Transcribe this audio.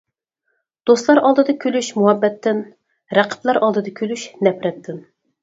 دوستلار ئالدىدا كۈلۈش مۇھەببەتتىن، رەقىبلەر ئالدىدا كۈلۈش نەپرەتتىن.